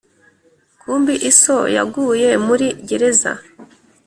Kumbi iso yaguye muli gereza?